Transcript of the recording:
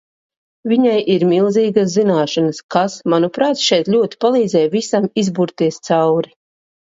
Viņai ir milzīgas zināšanas, kas, manuprāt, šeit ļoti palīdzēja visam uzburties cauri.